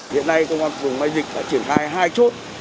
hiện nay công an phường mai dịch đã triển khai hai chốt